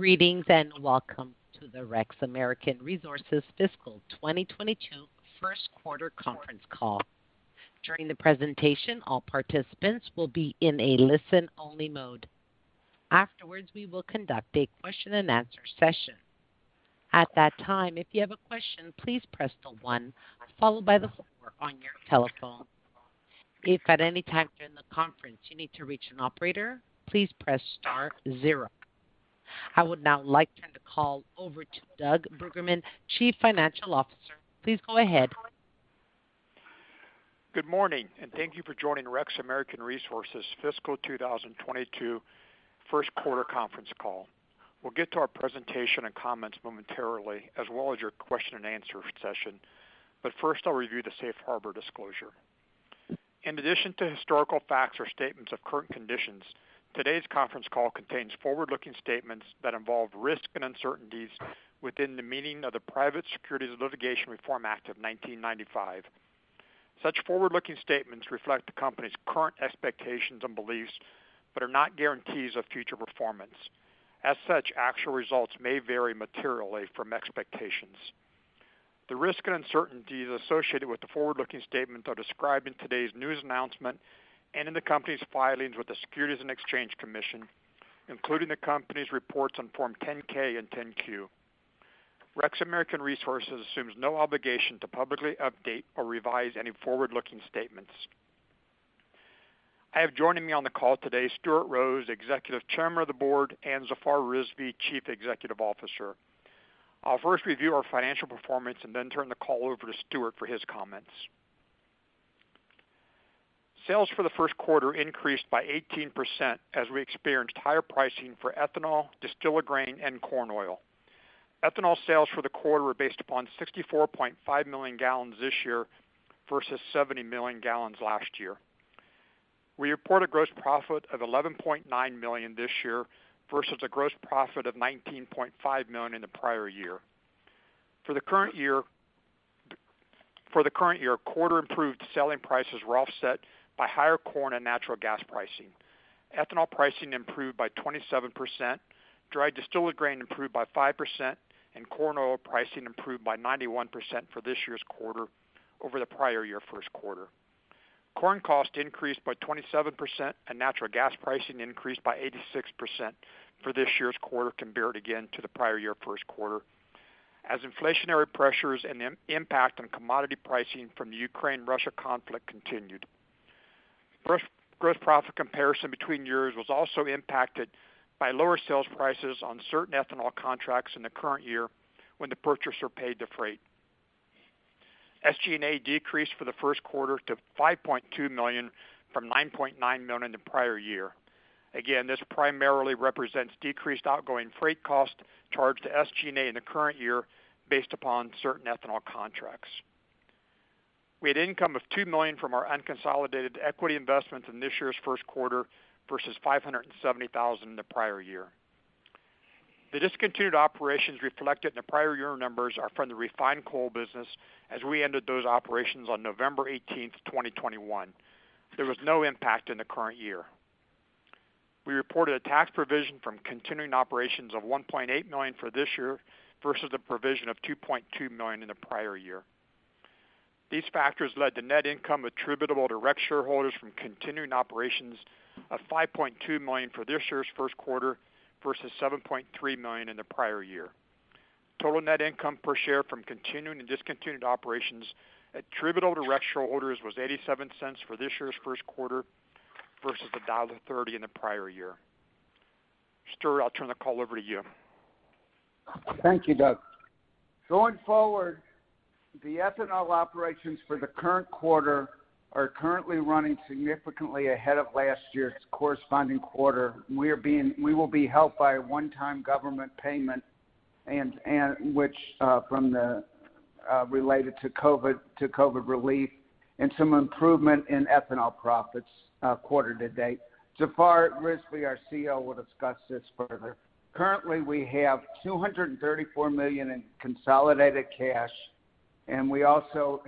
Greetings, and welcome to the REX American Resources fiscal 2022 first quarter conference call. During the presentation, all participants will be in a listen-only mode. Afterwards, we will conduct a question-and-answer session. At that time, if you have a question, please press 1 followed by the pound key on your telephone. If at any time during the conference you need to reach an operator, please press star 0. I would now like to turn the call over to Doug Bruggeman, Chief Financial Officer. Please go ahead. Good morning, and thank you for joining the REX American Resources fiscal 2022 first quarter conference call. We will get to our presentation and comments momentarily, followed by the question-and-answer session. First, I will review the Safe Harbor disclosure. am joined on the call today by Stuart Rose, Executive Chairman of the Board, and Zafar Rizvi, Chief Executive Officer. I will first review our financial performance and then turn the call over to Stuart for his comments. Sales for the first quarter increased by 18% as we experienced higher pricing for ethanol, distillers grains, and corn oil. Ethanol pricing improved by 27%, dried distillers grains improved by 5%, and corn oil pricing improved by 91% for this year's quarter over the prior year's first quarter. Corn costs increased by 27%, and natural gas pricing increased by 86% for this year's quarter compared again to the prior year first quarter, as inflationary pressures and the impact on commodity pricing from the Ukraine-Russia conflict continued. We had income of $2 million from our unconsolidated equity investments in this year's first quarter, versus $570,000 in the prior year. The discontinued operations reflected in the prior year numbers are from the refined coal business, as we ended those operations on November 18, 2021. There was no impact in the current year. Stuart, I'll turn the call over to you. Thank you, Doug. Going forward, the ethanol operations for the current quarter are currently running significantly ahead of last year's corresponding quarter. We will be helped by a one-time government payment related to COVID-19 relief and some improvement in ethanol profits quarter-to-date. Zafar Rizvi, our CEO, will discuss this further. We are also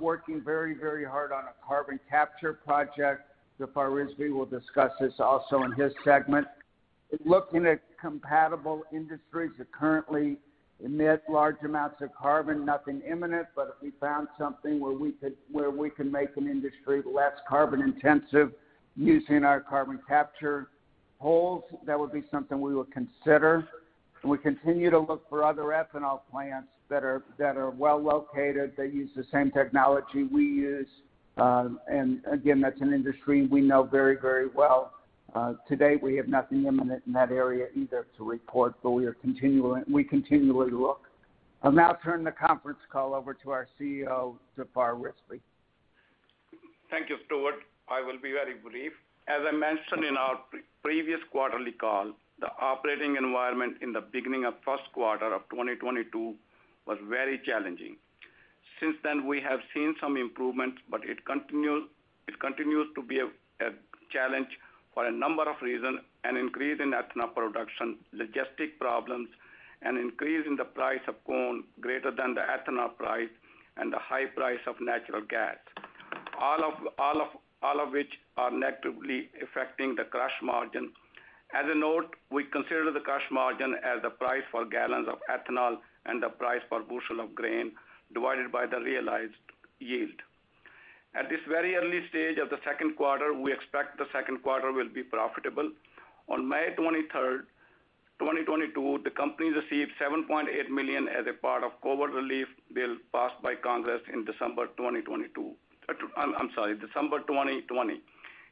working very hard on a carbon capture project. Zafar Rizvi will discuss this in his segment as well. We are looking at compatible industries that currently emit large amounts of carbon. Nothing is imminent, but if we found an opportunity where we could make an industry less carbon-intensive using our carbon capture holes, that would be something we would consider. Thank you, Stuart. I will be very brief. As I mentioned in our previous quarterly call, the operating environment at the beginning of the first quarter of 2022 was very challenging. Since then, we have seen some improvements, but it continues to be a challenge for a number of reasons: an increase in ethanol production, logistics problems, an increase in the price of corn greater than the ethanol price, and the high price of natural gas. On May 23, 2022, the company received $7.8 million as part of the COVID-19 relief bill passed by Congress in December 2020.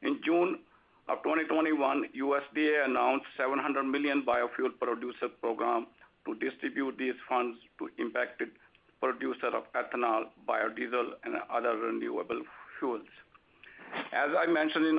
In June 2021, the USDA announced the $700 million Biofuel Producer Program to distribute these funds to impacted producers of ethanol, biodiesel, and other renewable fuels. As I mentioned in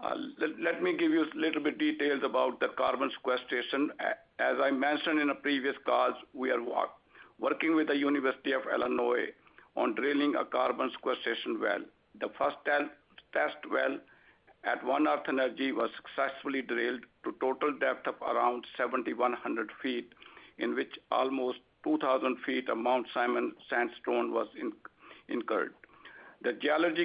a previous call, we are working with the University of Illinois on drilling a carbon sequestration well. The first test well at One Earth Energy was successfully drilled to a total depth of around 7,100 feet, in which almost 2,000 feet of Mount Simon Sandstone was encountered.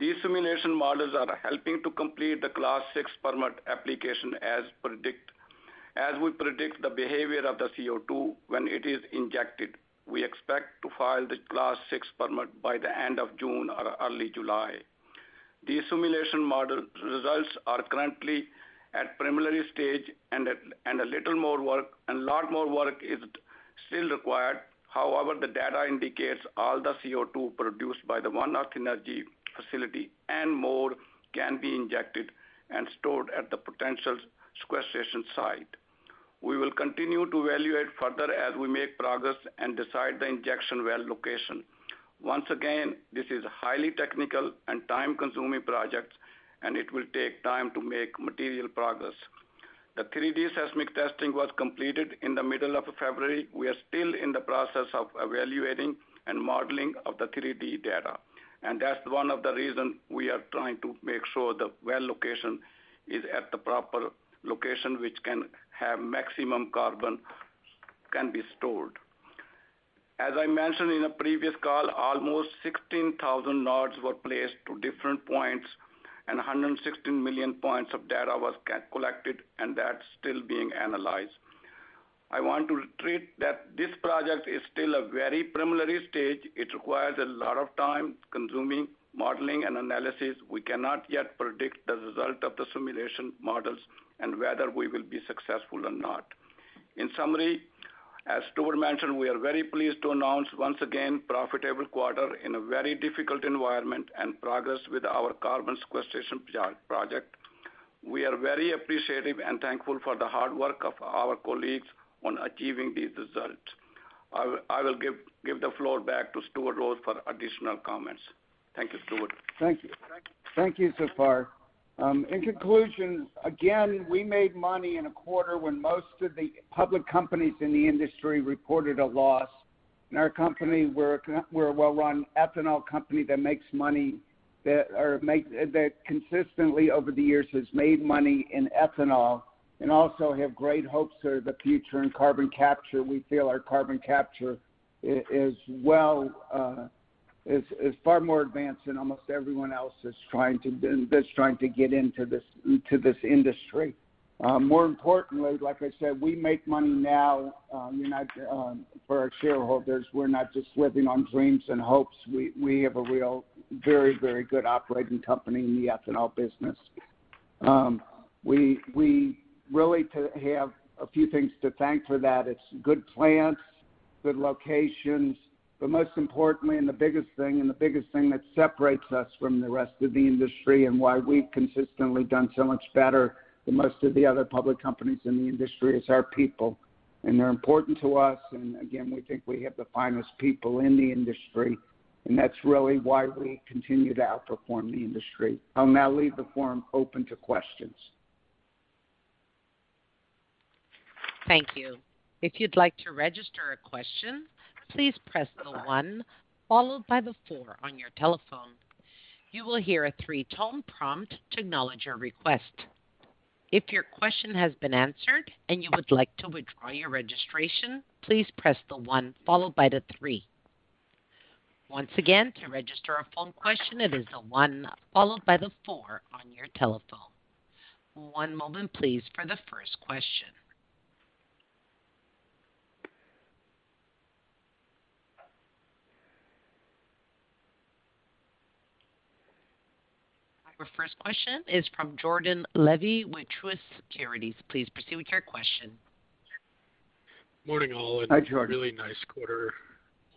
he simulation model results are currently at a preliminary stage, and more work is required. However, the data indicates that all the CO2 produced by the One Earth Energy facility—and more—can be injected and stored at the potential sequestration site. As I mentioned in a previous call, almost 16,000 nodes were placed at different points, and 116 million points of data were collected. This data is still being analyzed. I want to reiterate that this project is still in a very preliminary stage. It requires extensive modeling and analysis. In conclusion, we made money in a quarter when most public companies in the industry reported a loss. We are a well-run ethanol company that consistently makes money and has great hopes for the future in carbon capture. We feel our carbon capture project is far more advanced than almost everyone else attempting to enter this industry. It is good plants and good locations. However, the biggest factor that separates us from the rest of the industry—and why we have consistently outperformed most other public companies—is our people. We believe we have the finest people in the industry, and that is why we continue to outperform. I will now open the floor to questions. Thank you. If you would like to register a question, please press 1 followed by 4 on your telephone. You will hear a three-tone prompt to acknowledge your request. If your question has been answered and you would like to withdraw, please press 1 followed by 3. One moment, please, for the first question. Our first question is from Jordan Levy with Truist Securities. Please proceed. Morning all. Hi, Jordan. A nice quarter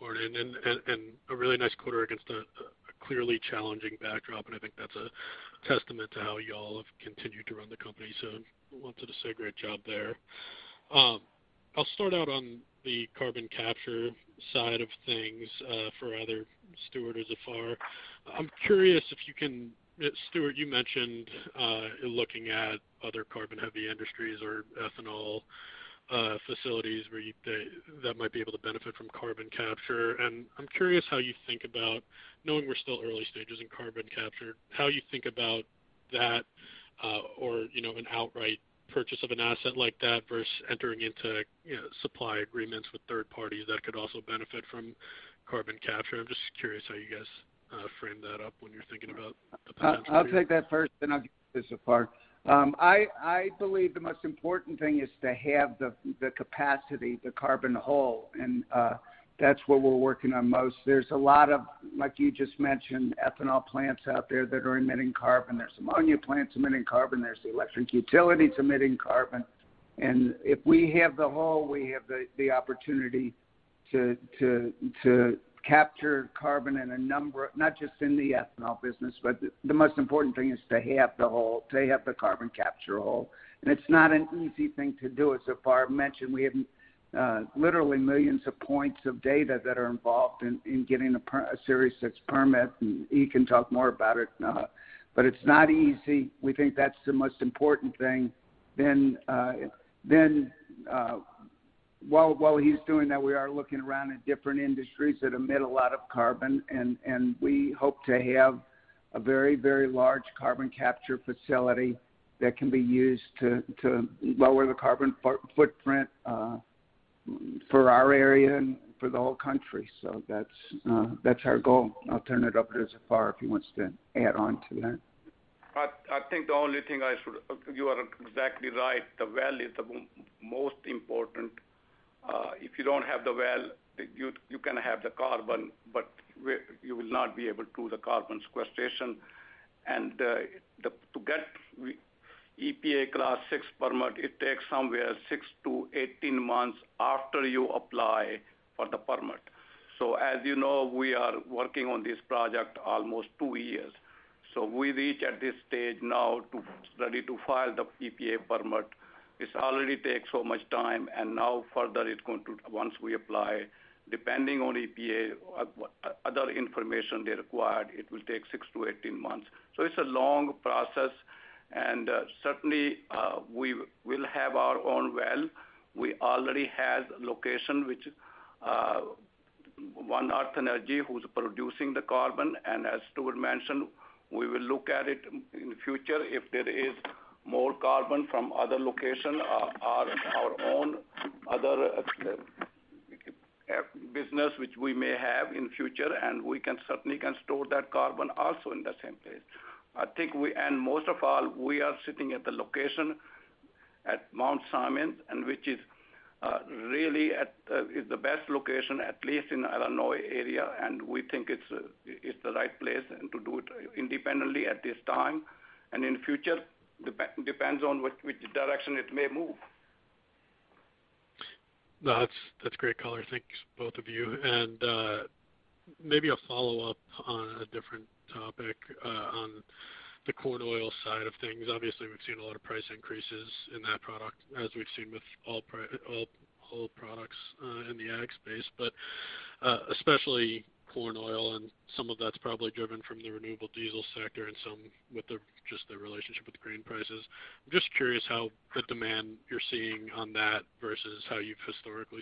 this morning against a clearly challenging backdrop; that is a testament to how you have continued to run the company. Great job there. I will start on the carbon capture side for either Stuart or Zafar. I am curious how you frame that potential. I will take that first, then I will give it to Zafar. I believe the most important thing is to have the capacity—the "carbon hole"—and that is what we are working on most. There are many ethanol plants, ammonia plants, and electric utilities emitting carbon. We think having the hole is the most important thing. While Zafar is doing that, we are looking at different industries that emit significant carbon. We hope to have a large carbon capture facility used to lower the carbon footprint for our area and the entire country. That is our goal. I will turn it over to Zafar if he wants to add to that. You are exactly right; the well is the most important factor. If you do not have the well, you can have the carbon, but you will not be able to perform sequestration. To obtain an EPA Class VI permit, it takes approximately 6 to 18 months after you apply. As Stuart mentioned, we will look at future opportunities if there is more carbon from other locations or our own potential future business. We can store that carbon in the same place. Most importantly, we are located at the Mount Simon Sandstone, which is the best location in the Illinois area. We think it is the right place to operate independently at this time. That is great color. Maybe a follow-up on the corn oil side of things. We have seen significant price increases in that product, likely driven by the renewable diesel sector and the relationship with grain prices. I am curious about the demand you are seeing compared to what you have seen historically.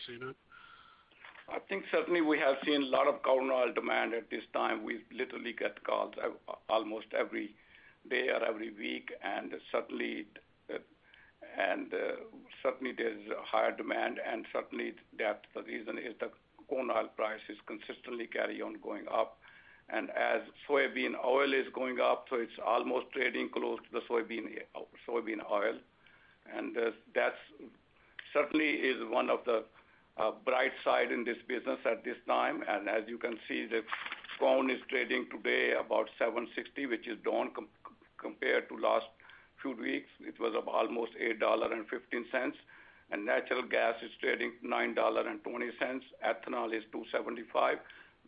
We have seen significant corn oil demand at this time; we receive calls almost every day or every week. There is higher demand, and that is the reason the corn oil price is consistently rising.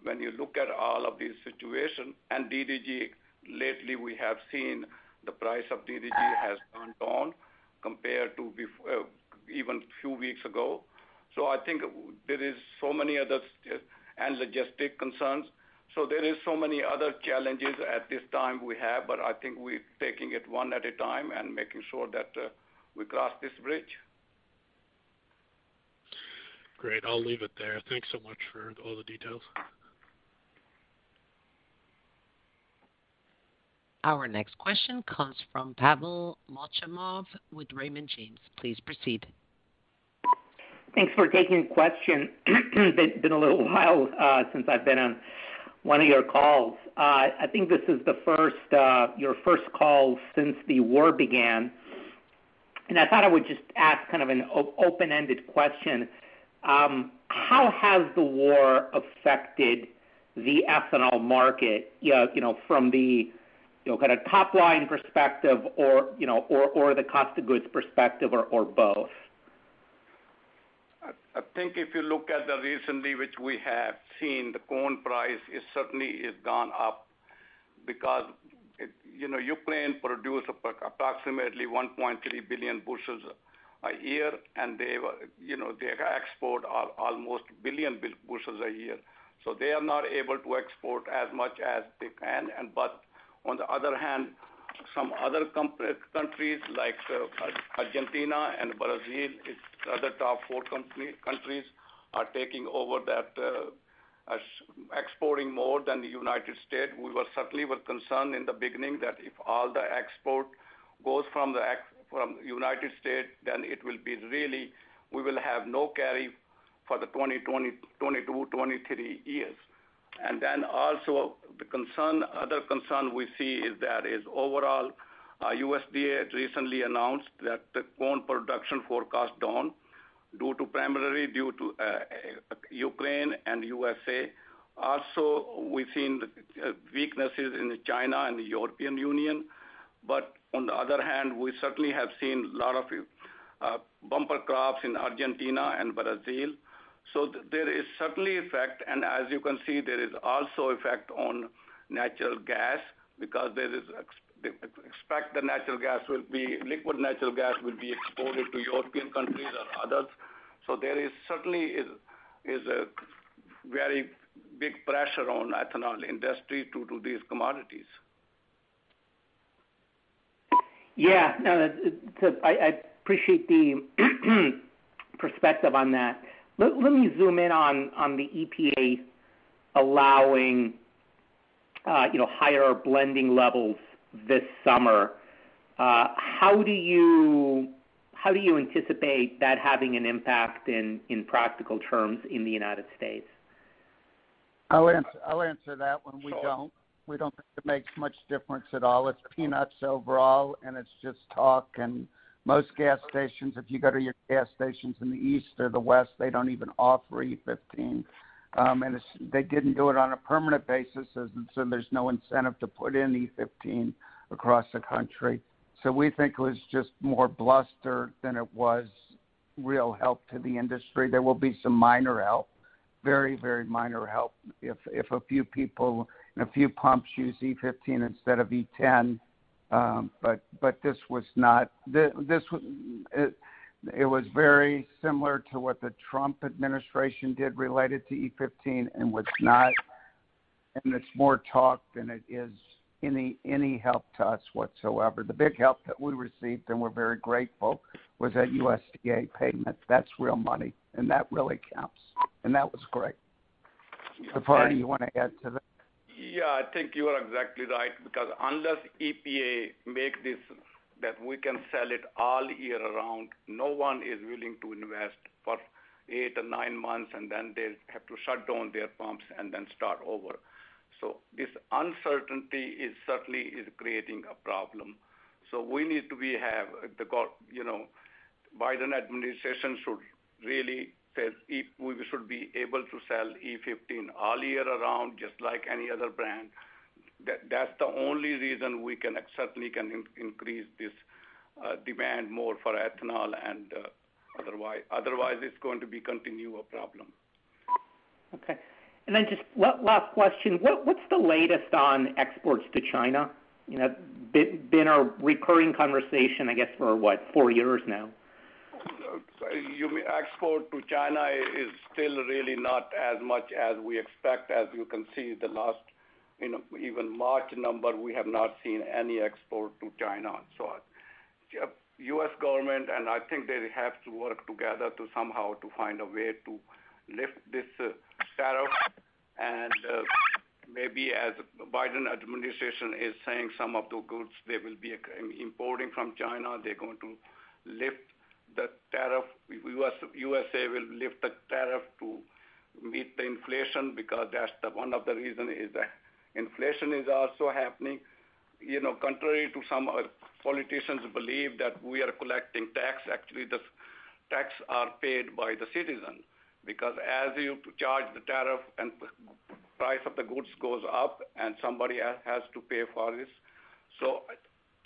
When you look at all of these situations and DDGS (Distillers Dried Grains with Solubles), we have lately seen the price of DDGS go down compared to before, even a few weeks ago. Great. I'll leave it there. Thanks so much for all the details. Our next question comes from Pavel Molchanov with Raymond James. Please proceed. Thanks for taking the question. It has been a little while since I have been on one of your calls. I think this is your first call since the war began. How has the war affected the ethanol market from a top-line perspective, a cost of goods perspective, or both? If you look at recent trends, the corn price has increased because Ukraine produces approximately 1.3 billion bushels a year and exports almost 1 billion bushels annually. They are not able to export as much as they could previously. On the other hand, other top exporters like Argentina and Brazil are taking over, exporting more than the United States. The USDA recently announced that the corn production forecast is down, primarily due to Ukraine and the USA. We have seen weaknesses in China and the European Union. I appreciate the perspective on that. Let me zoom in on the EPA allowing higher blending levels this summer. How do you anticipate that having an impact in practical terms in the United States? We do not think it makes much difference at all; it is "peanuts" overall. Most gas stations in the East or the West do not even offer E15. Because they did not do it on a permanent basis, there is no incentive to install E15 infrastructure across the country. The significant help we received, for which we are grateful, was that USDA payment. That is real money that counts. Zafar, would you like to add to that? You are exactly right. Unless the EPA allows year-round sales, no one is willing to invest for eight or nine months, only to shut down their pumps and start over. This uncertainty creates a problem. The Biden administration should allow E15 to be sold year-round, just like any other fuel grade. That is the only way to significantly increase ethanol demand; otherwise, this will continue to be a problem. One last question. What is the latest on exports to China? That has been a recurring conversation for about four years now. Export levels to China are still not where we expect them to be. Based on the March data, we have not seen any significant exports to China. The U.S. government must work to lift these tariffs. The Biden administration has mentioned lifting tariffs on certain Chinese imports to combat inflation.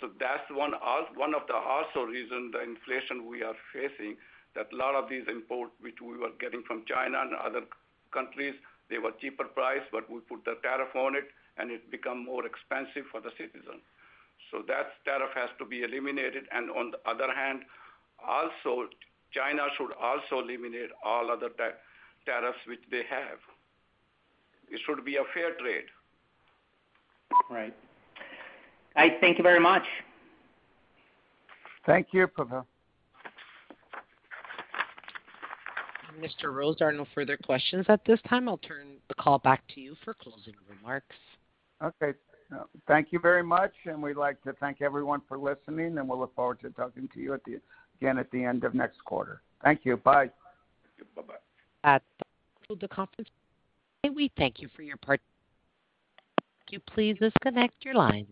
That is one reason for the inflation we are facing; imports from China and other countries were cheaper before tariffs made them more expensive. Right. I thank you very much. Thank you, Pavel. Mr. Rose, there are no further questions at this time. I will turn the call back to you for closing remarks. Thank you very much. We would like to thank everyone for listening, and we look forward to talking to you again at the end of next quarter. Thank you. Goodbye. Bye-bye. That concludes the conference. We thank you for your participation. Please disconnect your lines.